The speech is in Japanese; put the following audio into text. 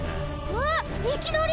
えっいきなり？